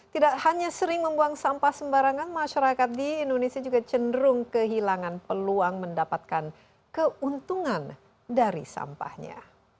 tidak hanya sering membuang sampah sembarangan masyarakat di indonesia juga cenderung kehilangan peluang mendapatkan keuntungan dari sampahnya